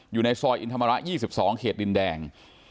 อยู่ในซอยอินธรรมระ๒๒เขตดินแดง